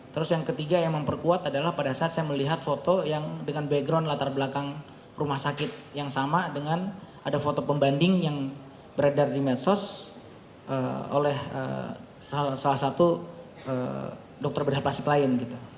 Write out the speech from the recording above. terus yang ketiga yang memperkuat adalah pada saat saya melihat foto yang dengan background latar belakang rumah sakit yang sama dengan ada foto pembanding yang beredar di medsos oleh salah satu dokter bedah plastik lain